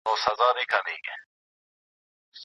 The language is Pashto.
د سمندري لارو امنیت د نړيوالي سوداګرۍ اساس دی.